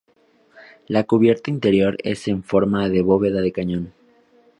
La cubierta interior es en forma de bóveda de cañón.